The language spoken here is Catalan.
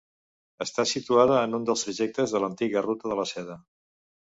Està situada en un dels trajectes de l'antiga Ruta de la Seda.